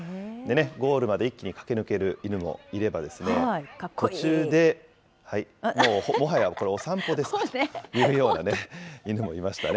ゴールまで一気に駆け抜ける犬もいれば、途中で、もはやこれお散歩ですというような犬もいましたね。